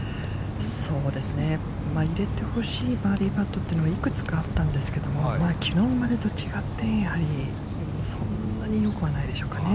そうですね、入れてほしいバーディーパットというのがいくつかあったんですけど、きのうまでと違って、やはり、そんなによくはないでしょうかね。